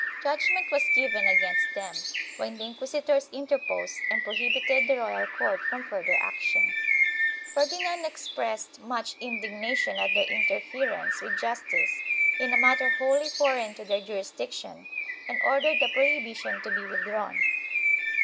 Judgement was given against them, when the inquisitors inter posed and prohibited the royal court from further action. Fer dinand expressed much indignation at their interference with justice in a matter wholly foreign to their jurisdiction and ordered the prohibition to be withdrawn.